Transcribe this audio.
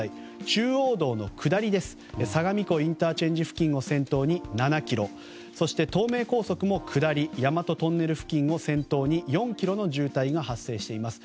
中央道の下り相模湖ＩＣ付近を先頭に７ｋｍそして、東名高速も下り大和トンネル付近を先頭に４ｋｍの渋滞が発生しています。